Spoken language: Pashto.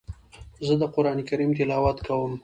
زه د قران کریم تلاوت کوم.